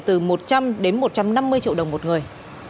từ một trăm linh đến một trăm năm mươi triệu đồng một người